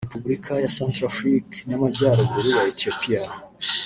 Repubulika ya Centrafrique n’Amajyaruguru ya Ethiopia